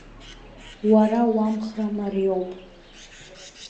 Уара уамхра мариоуп.